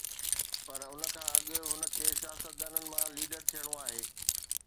پر ان کان اڳ هن کي سياستدان مان ليڊر ٿيڻو آهي.